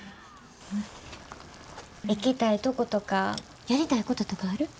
行きたいとことかやりたいこととかある？